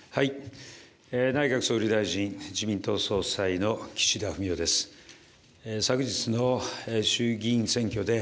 内閣総理大臣、自民党総裁の岸田文雄です。